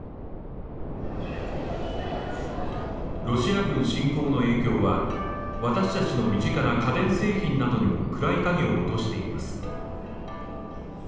ロシア軍侵攻の影響は私たちの身近な家電製品などにも暗い影を落としています。